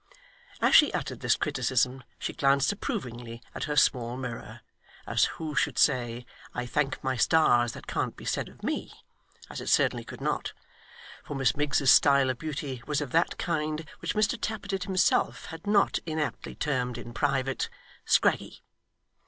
As she uttered this criticism, she glanced approvingly at her small mirror, as who should say, I thank my stars that can't be said of me! as it certainly could not; for Miss Miggs's style of beauty was of that kind which Mr Tappertit himself had not inaptly termed, in private, 'scraggy.